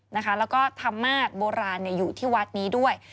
แล้วก็ธรรมาศโบราณอยู่ที่วัดนี้ด้วย